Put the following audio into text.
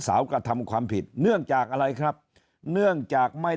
กระทำความผิดเนื่องจากอะไรครับเนื่องจากไม่